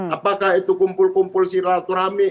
apakah itu kumpul kumpul silaturahmi